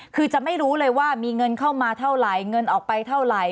คือจะไม่รู้เลยว่ามีเงินเข้ามาเท่าไหร่เงินออกไปเท่าไหร่